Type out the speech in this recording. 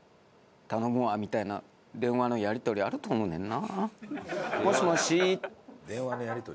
みたいな電話のやり取りあると思うねんな。